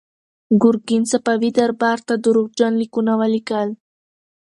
ګورګین صفوي دربار ته درواغجن لیکونه ولیکل.